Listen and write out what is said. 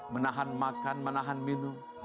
menahan makan menahan minum